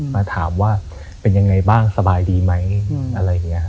มาถามว่าเป็นยังไงบ้างสบายดีไหมอะไรอย่างนี้